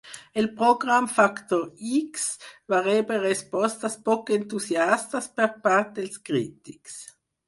El programa "Factor X" va rebre respostes poc entusiastes per part dels crítics.